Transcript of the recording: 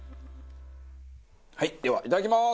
はいではいただきます。